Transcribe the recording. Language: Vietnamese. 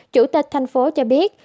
chủ tịch thành phố cho biết